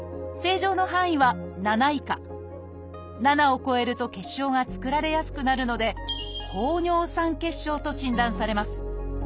７を超えると結晶が作られやすくなるので「高尿酸血症」と診断されます。